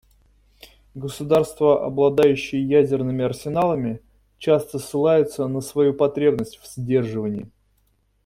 Государства, обладающие ядерными арсеналами, часто ссылаются на свою потребность в сдерживании.